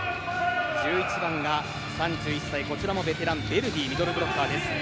１１番が３１歳こちらもベテラン、ベルディミドルブロッカーです。